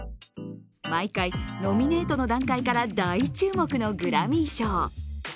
毎回、ノミネートの段階から大注目のグラミー賞。